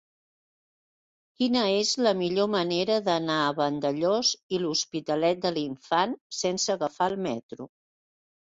Quina és la millor manera d'anar a Vandellòs i l'Hospitalet de l'Infant sense agafar el metro?